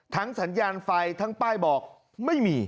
สัญญาณไฟทั้งป้ายบอกไม่มี